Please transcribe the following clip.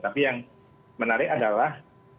tapi yang menarik adalah